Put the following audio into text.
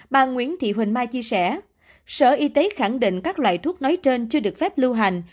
bà nguyễn thị huỳnh mai chia sẻ sở y tế khẳng định các loại thuốc nói trên chưa được phép lưu hành